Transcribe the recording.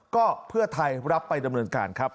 ก็เพื่อไทยรับไปดำเนินการครับ